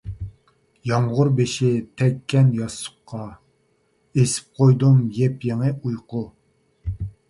يامغۇر بېشى تەگكەن ياستۇققا، ئېسىپ قويدۇم يېپيېڭى ئۇيقۇ.